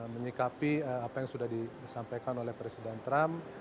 menyikapi apa yang sudah disampaikan oleh presiden trump